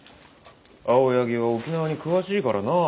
青柳は沖縄に詳しいからなあ。